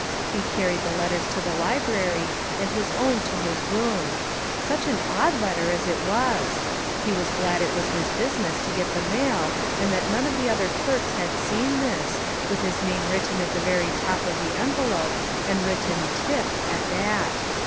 He carried the others to the library, and his own to his room. Such an odd letter as it was! He was glad it was his business to get the mail, and that none of the other clerks had seen this, with his name written at the very top of the envelope, and written "Tip" at that.